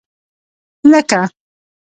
لکه